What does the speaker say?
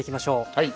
はい。